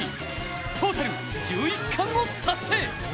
トータル１１冠を達成。